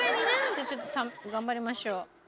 じゃあちょっと頑張りましょう。